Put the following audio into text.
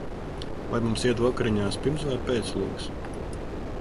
Vai mums iet vakariņās pirms vai pēc lugas?